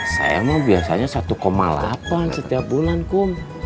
saya emang biasanya satu delapan setiap bulan kum